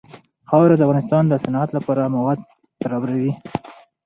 خاوره د افغانستان د صنعت لپاره مواد برابروي.